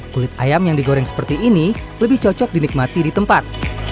kulit ayam yang digoreng seperti ini lebih cocok dinikmati di tempat